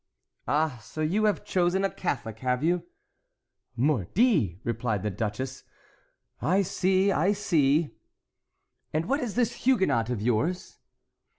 "Ah, so you have chosen a Catholic, have you?" "Mordi!" replied the duchess. "I see, I see." "And what is this Huguenot of yours?"